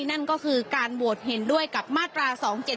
นั่นก็คือการโหวตเห็นด้วยกับมาตรา๒๗๒